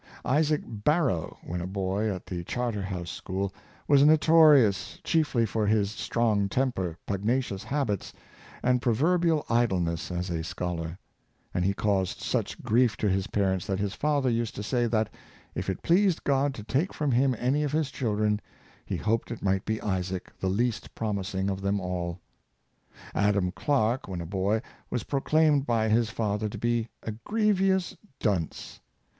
Isaac Barrow, when a boy at the Charterhouse School, was notorious chiefly for his strong temper, pugnacious habits, and proverbial idleness as a scholar; and he caused such grief to his parents that his father used to say that, if it pleased God to take from him any of his children, he hoped it might be Isaac, the least promising of them all. Adam Clarke, when a boy, was proclaimed by his father to be "a grievous dunce."